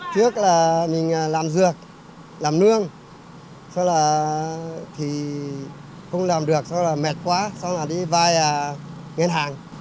trước là mình làm dược làm nương xong là thì không làm được xong là mệt quá xong là đi vai ngân hàng